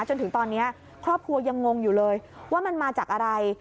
จนถึงตอนนี้ครอบครัวยังงงอยู่เลยว่ามันมาจากอะไร